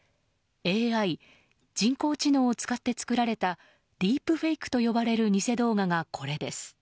ＡＩ・人工知能を使って作られたディープフェイクと呼ばれる偽動画がこれです。